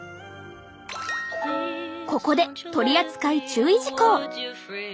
ここで取扱注意事項。